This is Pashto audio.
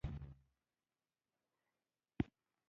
کوتره وفاداره مرغه ده.